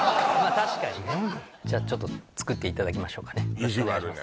確かにねじゃちょっと作っていただきましょうかね意地悪ね